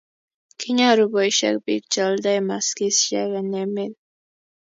kinyoru boisiet biik che oldoi maskisiek eng' emet